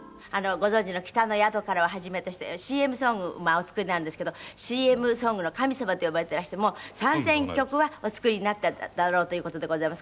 ご存じの『北の宿から』を始めとしてＣＭソングまあお作りなんですけどＣＭソングの神様と呼ばれていらしてもう３０００曲はお作りになっただろうという事でございます。